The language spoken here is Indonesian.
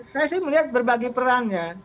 saya sih melihat berbagai perangnya